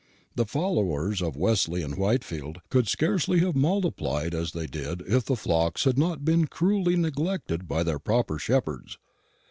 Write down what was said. The followers of Wesley and Whitefield could scarcely have multiplied as they did if the flocks had not been cruelly neglected by their proper shepherds.